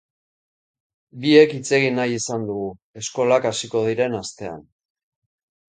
Biek hitzegin nahi izan dugu, eskolak hasiko diren astean.